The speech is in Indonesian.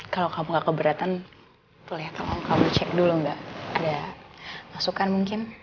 kalau kamu gak keberatan tuh ya tolong kamu cek dulu nggak ada masukan mungkin